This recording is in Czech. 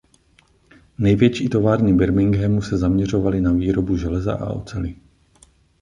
Největší továrny Birminghamu se zaměřovaly na výrobu železa a oceli.